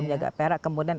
agak perak kemudian